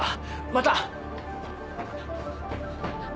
また。